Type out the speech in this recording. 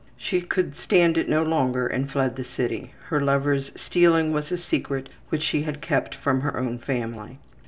She could stand it no longer and fled the city. Her lover's stealing was a secret which she had kept from her own family.